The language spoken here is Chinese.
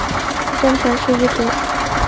真田氏一族。